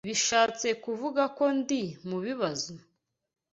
Bishatse kuvuga ko ndi mubibazo?